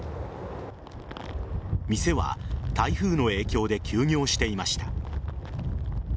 店は台風の影響で休業していました。